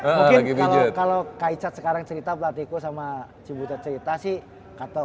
mungkin kalo kak icat sekarang cerita pelatihku sama cibutet cerita sih